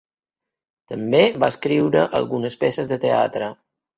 També va escriure algunes peces de teatre.